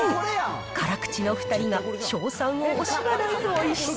辛口の２人が称賛を惜しまないおいしさ。